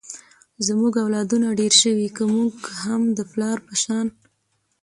زمونږ اولادونه ډېر شوي ، که مونږ هم د پلار په شان